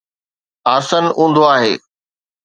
آسن اونڌو آهي